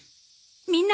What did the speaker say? みんな！